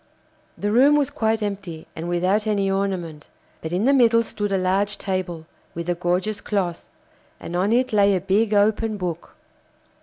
The room was quite empty, and without any ornament, but in the middle stood a large table, with a gorgeous cloth, and on it lay a big open book.